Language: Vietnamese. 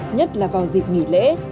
nhất là vào dịp nghỉ lễ